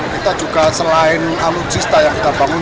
kita juga selain alutsista yang kita bangun